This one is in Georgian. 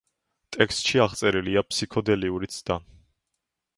ტექსტში აღწერილია ფსიქოდელიური ცდა.